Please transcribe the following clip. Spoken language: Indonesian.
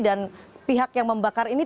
dan pihak yang membakar ini